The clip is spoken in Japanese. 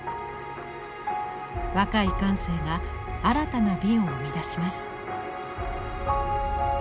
若い感性が新たな美を生み出します。